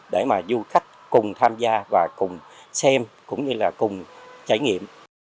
để mà du khách cùng tham gia và cùng xem cũng như là cùng trải nghiệm